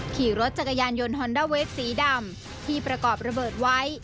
ขี่รถจักรยานยนต์ฮอนด้าเวฟสีดำที่ประกอบระเบิดไว้